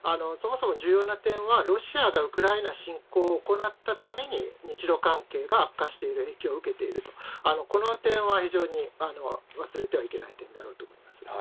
そもそも重要な点は、ロシアがウクライナ侵攻を行ったために日ロ関係が悪化している影響を受けていると、この点は非常に忘れてはいけない点だろうと思います。